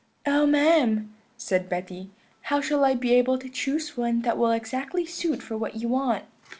"'Oh, ma'am,' said Betty, 'how shall I be able to choose one that will exactly suit for what you want?